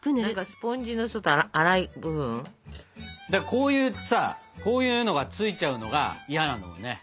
こういうさこういうのがついちゃうのが嫌なんだもんね。